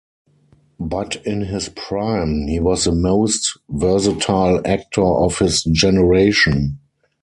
But in his prime, he was the most versatile actor of his generation.